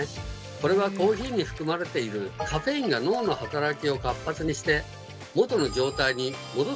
これはコーヒーに含まれているカフェインが脳の働きを活発にして元の状態に戻すからなんですね。